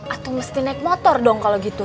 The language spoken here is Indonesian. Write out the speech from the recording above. atau mesti naik motor dong kalo gitu ya